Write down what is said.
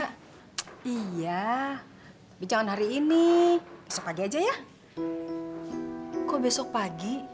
kok besok pagi